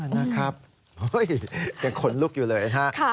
นะครับโอ๊ยแกขนลูกอยู่เลยนะครับ